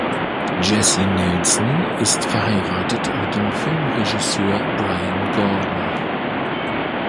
Jessie Nelson ist verheiratet mit dem Filmregisseur Bryan Gordon.